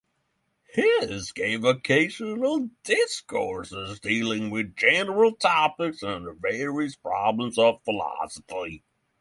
His gave occasional discourses, dealing with general topics and various problems of philosophy.